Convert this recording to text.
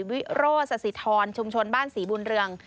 วิโรสสิทรชุมชนบ้านศรีบุญเรือง